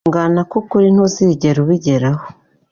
Gutungana kwukuri ntuzigera ubigeraho